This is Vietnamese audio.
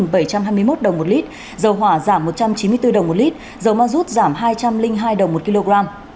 dầu mazut giảm bảy trăm hai mươi một đồng một lít dầu hỏa giảm một trăm chín mươi bốn đồng một lít dầu mazut giảm hai trăm linh hai đồng một kg